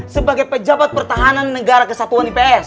sebagai pejabat pertahanan negara kesatuan ips